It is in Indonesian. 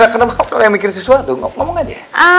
kenapa kamu mikir sesuatu ngomong aja